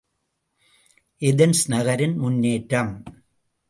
Athens நகரின் முன்னேற்றம்...